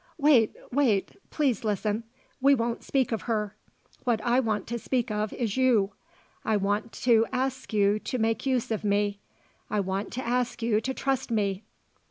Wait, wait please listen. We won't speak of her. What I want to speak of is you. I want to ask you to make use of me. I want to ask you to trust me.